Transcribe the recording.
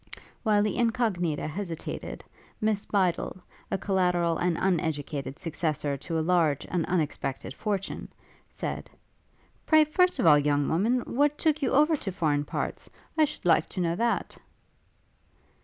While the Incognita hesitated, Miss Bydel, a collateral and uneducated successor to a large and unexpected fortune, said, 'Pray, first of all, young woman, what took you over to foreign parts? I should like to know that.'